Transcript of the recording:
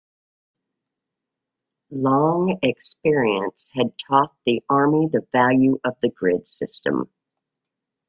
Long experience had taught the army the value of the grid system.